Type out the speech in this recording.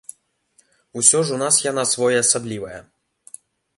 Усё ж у нас яна своеасаблівая.